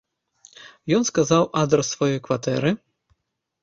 Ён сказаў адрас сваёй кватэры.